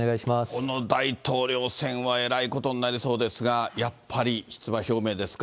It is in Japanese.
この大統領選は、えらいことになりそうですが、やっぱり出馬表明ですか。